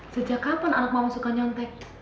sejak kapan anak mau suka nyontek